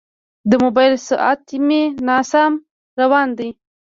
د موبایل ساعت مې ناسم روان دی.